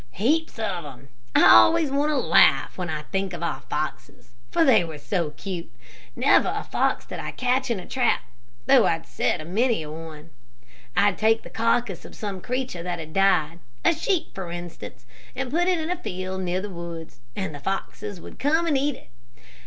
"Heaps of them. I always want to laugh when I think of our foxes, for they were so cute. Never a fox did I catch in a trap, though I'd set many a one. I'd take the carcass of some creature that had died, a sheep, for instance, and put it in a field near the woods, and the foxes would come and eat it.